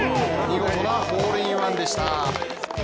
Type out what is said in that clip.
見事なホールインワンでした。